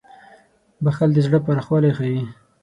• بښل د زړه پراخوالی ښيي.